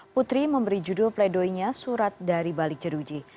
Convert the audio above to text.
putri memberi judul pledoinya surat dari balik jeruji